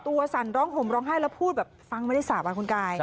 ตัวสั่นห่อมร้องไห้แล้วพูดฟังมาได้สะบัดคุณกาย